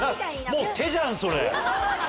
もう手じゃんそれ！